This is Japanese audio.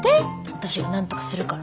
私がなんとかするから。